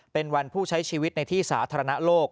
เป็นวันผู้ใช้ชีวิตในที่สาธารณโลก